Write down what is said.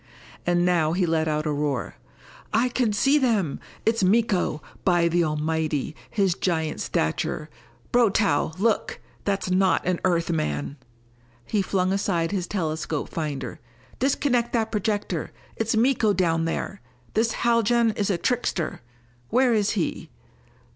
And now he let out a roar. "I can see them! It's Miko! By the Almighty his giant stature Brotow, look! That's not an Earth man!" He flung aside his telescope finder. "Disconnect that projector! It's Miko down there! This Haljan is a trickster! Where is he?